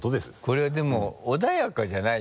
これはでも穏やかじゃないよね。